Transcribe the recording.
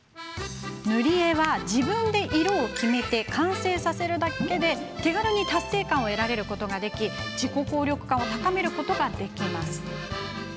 塗り絵は自分で色を決めて完成させるだけで手軽に達成感を得られることができ自己効力感を高めることができます。